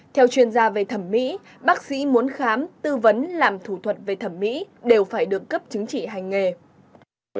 theo chuyên gia về thẩm mỹ bác sĩ muốn khám tư vấn làm thủ thuật về thẩm mỹ đều phải được cấp chứng chỉ hành nghề